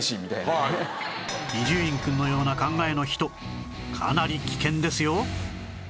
伊集院くんのような考えの人かなり危険ですよ！